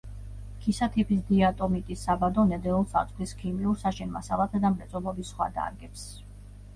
ქისათიბის დიატომიტის საბადო ნედლეულს აწვდის ქიმიურ, საშენ მასალათა და მრეწველობის სხვა დარგებს.